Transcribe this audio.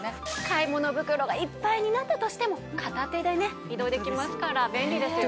買い物袋がいっぱいになったとしても片手でね移動できますから便利ですよね。